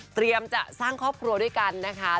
จะสร้างครอบครัวด้วยกันนะคะ